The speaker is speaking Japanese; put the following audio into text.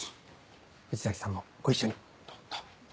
藤崎さんもご一緒に。